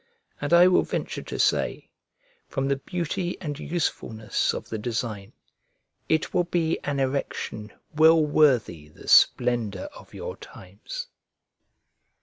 And I will venture to say, from the beauty and usefulness of the design, it will be an erection well worthy the splendour of your times.